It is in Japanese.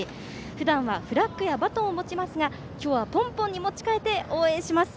ふだんはフラッグやバトンを持ちますが今日はポンポンに持ち替えて応援します。